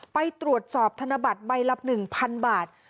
ไปตรวจสอบธนบัตรใบละ๑๐๐๐บาท